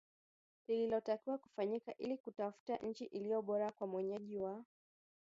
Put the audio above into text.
lililotakiwa kufanyika ili kutafuta nchi iliyo bora kuwa mwenyeji wa